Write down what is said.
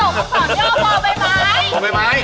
อักษรยอดบ่อใบไม้